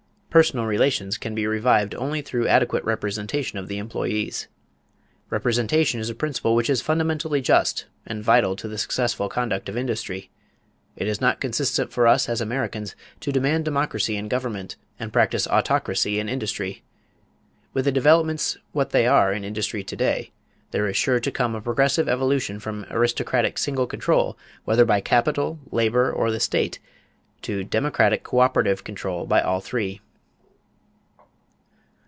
Personal relations can be revived only through adequate representation of the employees. Representation is a principle which is fundamentally just and vital to the successful conduct of industry.... It is not consistent for us as Americans to demand democracy in government and practice autocracy in industry.... With the developments what they are in industry to day, there is sure to come a progressive evolution from aristocratic single control, whether by capital, labor, or the state, to democratic, coöperative control by all three."